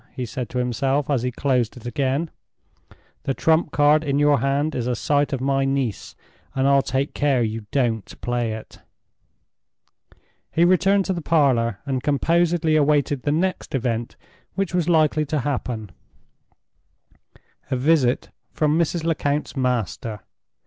he said to himself, as he closed it again. "The trump card in your hand is a sight of my niece, and I'll take care you don't play it!" He returned to the parlor, and composedly awaited the next event which was likely to happen—a visit from Mrs. Lecount's master.